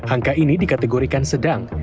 angka ini dikategorikan sedang